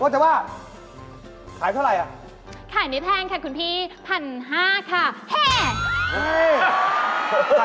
พูดแต่ว่าขายเท่าไรอ่ะขายได้แทงค่ะคุณพี่พันห้าค่ะแห่พันห้า